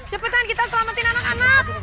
cepetan kita selamatin anak anak